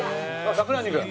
桜肉。